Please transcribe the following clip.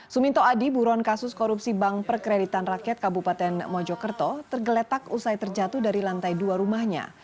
suminto adi buron kasus korupsi bank perkreditan rakyat kabupaten mojokerto tergeletak usai terjatuh dari lantai dua rumahnya